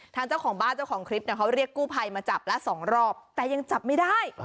ทางเจ้าของบ้านเจ้าของคลิปเนี่ยเขาเรียกกู้ภัยมาจับละสองรอบแต่ยังจับไม่ได้